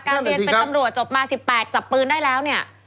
เรียนเป็นตำรวจจบมา๑๘จับปืนได้แล้วเนี่ย